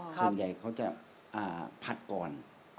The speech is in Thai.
ส่วนใหญ่เขาจะพักก่อน